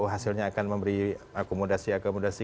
hasilnya akan memberi akomodasi akomodasi